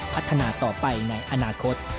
พัฒนาต่อไปในอนาคต